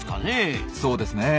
そうですね。